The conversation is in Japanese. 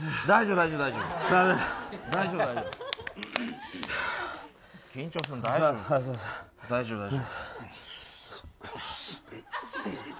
大丈夫。